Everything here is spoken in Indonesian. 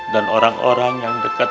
dan orang orang yang dekat